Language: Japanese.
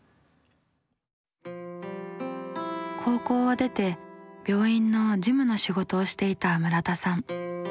高校を出て病院の事務の仕事をしていた村田さん。